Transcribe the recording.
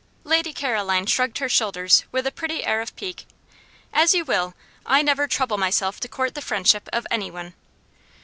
Lady Caroline shrugged her shoulders with a pretty air of pique. "As you will! I never trouble myself to court the friendship of any one.